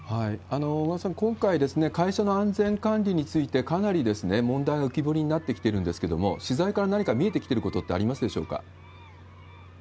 小川さん、今回、会社の安全管理について、かなり問題、浮き彫りになってきているんですけれども、取材から何か見えてきていることってありますでしょうか？